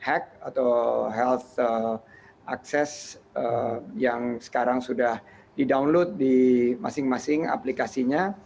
atau akses kesehatan yang sekarang sudah didownload di masing masing aplikasinya